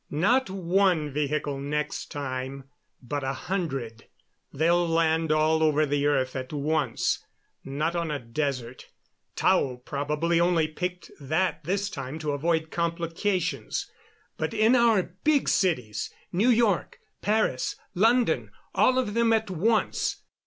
Not one vehicle next time, but a hundred. They'll land all over the earth at once, not on a desert Tao probably only picked that this time to avoid complications but in our big cities, New York, Paris, London, all of them at once.